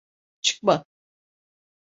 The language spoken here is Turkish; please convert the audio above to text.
Çıkma.